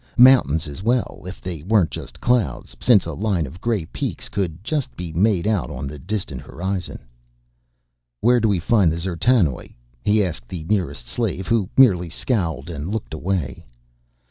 Mountains as well, if they weren't just clouds, since a line of gray peaks could just be made out on the distant horizon. "Where do we find the D'zertanoj?" he asked the nearest slave who merely scowled and looked away.